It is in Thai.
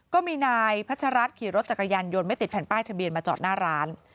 ก็มีนายพัชรัฐขี่รถจักรยานยนต์ไม่ติดแผ่นป้ายทะเบียนมาจอดหน้าร้าน